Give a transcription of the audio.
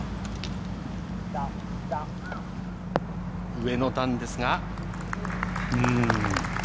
上の段ですが。